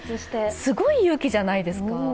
すごい勇気じゃないですか。